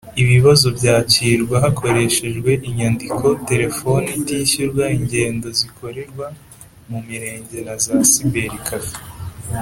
ibibazo byakirwa hakoreshejwe: inyandiko, “téléphone” itishyurwa ingendo zikorerwa mu mirenge, na za “cyber café”